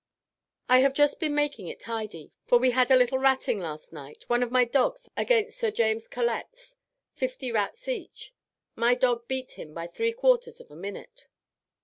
I have just been making it tidy, for we had a little ratting last night, one of my dogs against Sir James Collette's, fifty rats each; my dog beat him by three quarters of a minute."